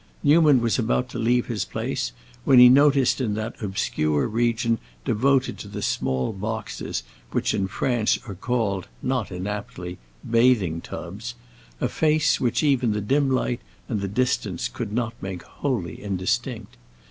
Newman was about to leave his place when he noticed in that obscure region devoted to the small boxes which in France are called, not inaptly, "bathing tubs," a face which even the dim light and the distance could not make wholly indistinct.